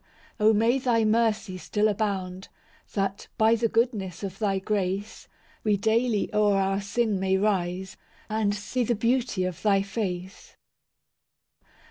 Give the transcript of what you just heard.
IV O may Thy mercy still abound, That, by the goodness of Thy grace, We daily o'er our sin may rise, And see the beauty of Thy face.